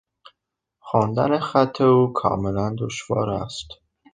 خواندن خط او کاملا دشوار است.